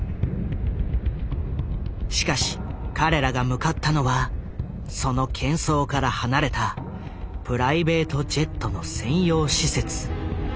しかし彼らが向かったのはそのけん騒から離れたプライベートジェットの専用施設。